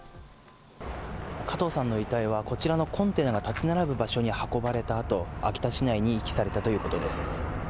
加藤さんの遺体はこちらのコンテナが建ち並ぶ場所に運ばれたあと、秋田市内に遺棄されたということです。